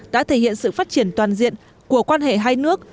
đã thể hiện sự phát triển toàn diện của quan hệ hai nước